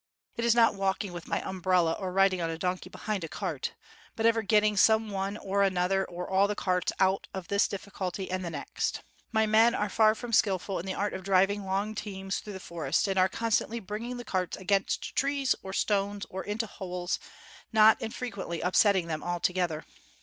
It is not walking with my umbrella or riding on a donkey behind a cart, but ever getting some one or other or all the carts out of this difficulty and the next. My men are far from skilful in the art of driving long teams through the for est, and are constantly bringing the carts against trees or stones or into holes, not in frequently upsetting them altogether.